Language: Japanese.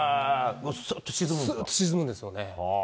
すっと沈むんですよね。